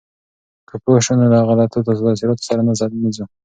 که پوه شو، نو له غلطو تاثیراتو سره نه ځو.